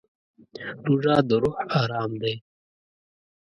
روژه د روح ارام دی.